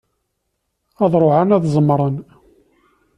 Ad ruḥen ad ẓemmren.